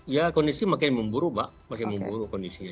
ya kondisi makin memburuh mbak makin memburuh kondisinya